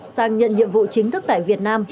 sang nhận nhiệm vụ chính thức tại việt nam